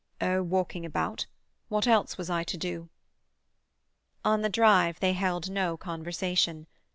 "Oh, walking about. What else was I to do?" On the drive they held no conversation.